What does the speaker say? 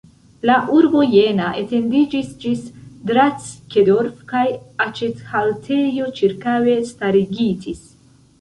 La urbo Jena etendiĝis ĝis Drackedorf kaj aĉethaletoj ĉirkaŭe starigitis.